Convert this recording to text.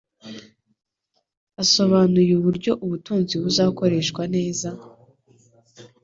Asobanuye uburyo ubutunzi buzakoreshwa neza